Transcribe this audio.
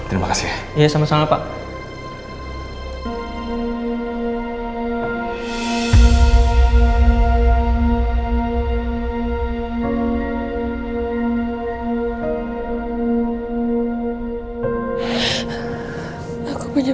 udah sama sama ya